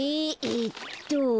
えっと。